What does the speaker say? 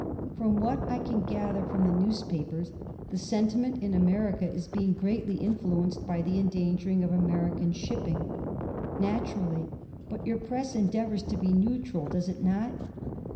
"From what I can gather from the newspapers, the sentiment in America is being greatly influenced by the endangering of American shipping," "Naturally. But your press endeavours to be neutral, does it not?"